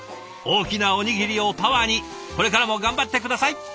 大きなおにぎりをパワーにこれからも頑張って下さい。